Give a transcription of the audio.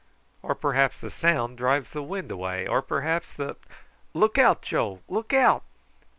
"Or perhaps the sound drives the wind away, or perhaps the Look out, Joe, look out!"